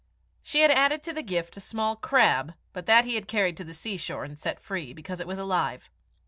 She had added to the gift a small crab, but that he had carried to the seashore and set free, because it was alive.